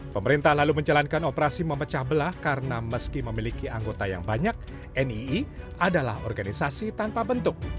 pemerintah lalu menjalankan operasi memecah belah karena meski memiliki anggota yang banyak nii adalah organisasi tanpa bentuk